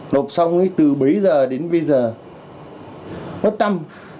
lộp xong ấy từ bấy giờ đến bây giờ bất tâm